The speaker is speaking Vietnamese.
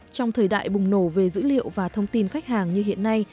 trong thời đại bùng nổ về dữ liệu và thông tin khách hàng như hiện nay